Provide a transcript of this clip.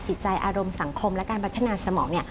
ใจอารมณ์สังคมและการพัฒนาสมอง